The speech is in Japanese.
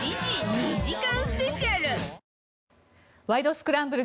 スクランブル」